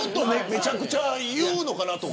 めちゃくちゃ言うのかなと。